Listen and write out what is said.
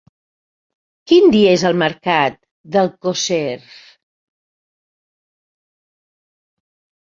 Quin dia és el mercat d'Alcosser?